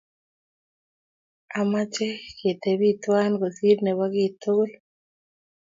Amache kitebi tuwan kosir nebo kit tukul